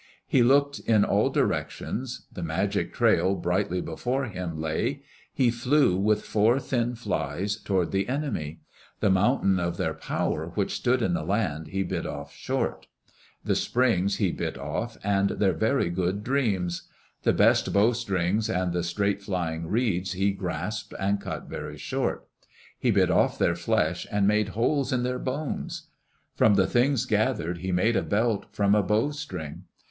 He looked in all directions. The magic trail brightly before him lay. He flew, with four thin flys, toward the enemy. The mountain of their power which stood in the land he bit off short. The springs he bit off, and their very good dreams. The best bow strings and the straight flying reeds he grasped and cut very short. He bit off their flesh and made holes in their bones. From the things gathered, he made a belt from a bowstring.